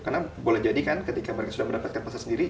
karena boleh jadi kan ketika mereka sudah mendapatkan pasar sendiri